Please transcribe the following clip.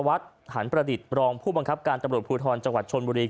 วัดหันประดิษฐ์รองผู้บังคับการตำรวจภูทรจังหวัดชนบุรี